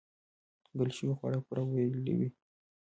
کنګل شوي خواړه پوره ویلوئ.